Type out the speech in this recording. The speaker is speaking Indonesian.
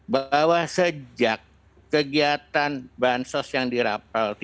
bahwa sejak kegiatan bahan sosial yang dirapal